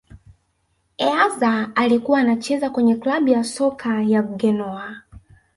eazza alikuwa anacheza kwenye klabu ya soka ya genoa